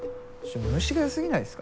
虫がよすぎないですか？